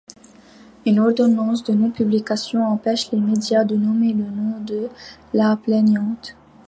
Une ordonnance de non-publication empêche les médias de nommer le nom de la plaignante.